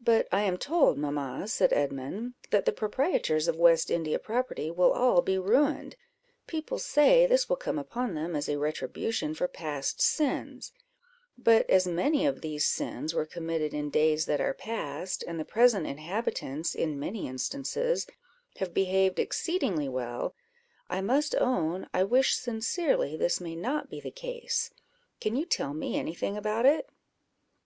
"But I am told, mamma," said Edmund, "that the proprietors of West India property will all be ruined; people say, this will come upon them as a retribution for past sins; but as many of these sins were committed in days that are past, and the present inhabitants, in many instances, have behaved exceedingly well, I must own I wish sincerely this may not be the case. Can you tell me any thing about it?"